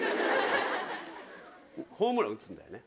ホームランを打つんだよね。